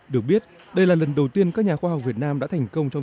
được biết đây là lần đầu tiên các nhà khoa học việt nam đã thành công trong